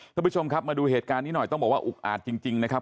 ท่านผู้ชมครับมาดูเหตุการณ์นี้หน่อยต้องบอกว่าอุกอาจจริงนะครับ